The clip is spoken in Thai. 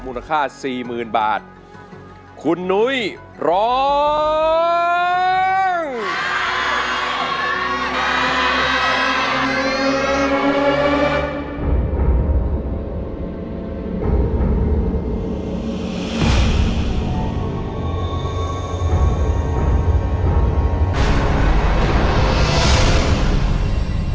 มูลค่า๔๐๐๐๐บาทคุณนุ้ยร้องไปแล้วนะครับ